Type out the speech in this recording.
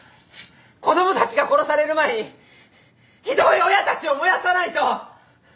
子供たちが殺される前にひどい親たちを燃やさないと！